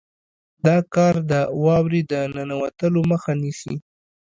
دا کار د واورې د ننوتلو مخه نیسي